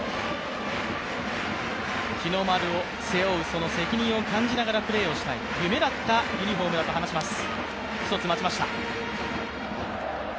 日の丸を背負うその責任を感じながらプレーをしたい夢だったユニフォームだと話します。